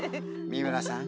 三村さん